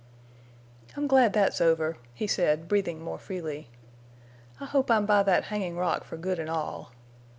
"I'm glad that's over," he said, breathing more freely. "I hope I'm by that hanging rock for good and all.